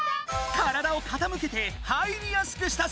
体をかたむけて入りやすくしたぞ！